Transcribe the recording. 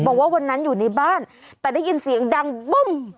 บอกว่าวันนั้นอยู่ในบ้านแต่ได้ยินเสียงดังบึ้ม